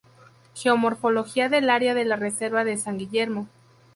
Geomorfología del Área de la Reserva de San Guillermo.